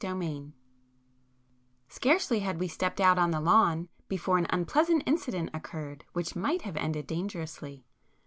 [p 231]XX Scarcely had we stepped out on the lawn before an unpleasant incident occurred which might have ended dangerously.